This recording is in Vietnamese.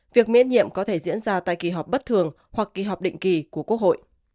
việc miễn nhiệm có thể diễn ra tại kỳ họp bất thường hoặc kỳ họp định kỳ của quốc hội